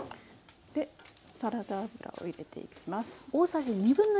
サラダ油を入れていきます。